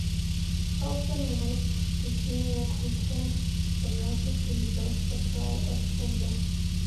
Southern West Virginia contains the largest reserve supply of timber.